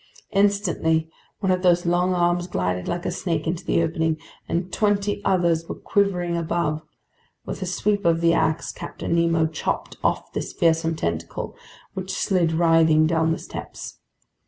Instantly one of those long arms glided like a snake into the opening, and twenty others were quivering above. With a sweep of the ax, Captain Nemo chopped off this fearsome tentacle, which slid writhing down the steps.